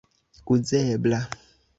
uzebla